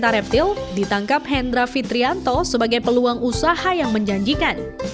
reptil ditangkap hendra fitrianto sebagai peluang usaha yang menjanjikan